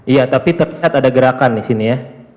iya tapi terlihat ada gerakan di sini ya